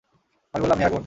আমি বললাম, হে আগুন!